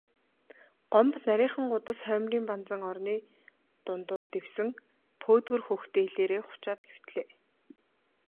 Гомбо нарийхан гудас хоймрын банзан орны урдуур дэвсэн пөөдгөр хөх дээлээрээ хучаад хэвтлээ.